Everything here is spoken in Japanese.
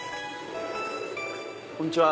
こんちは！